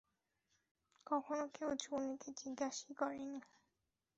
কখনও কেউ জুনি কে জিজ্ঞাসাই করে নি।